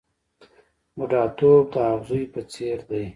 بوډاتوب د اغزیو په څېر دی .